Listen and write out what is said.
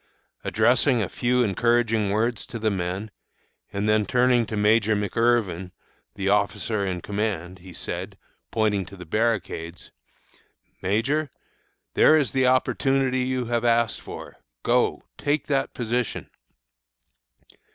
Addressing a few encouraging words to the men, and then turning to Major McIrvin, the officer in command, he said, pointing to the barricades: 'Major, there is the opportunity you have asked for. Go, take that position!'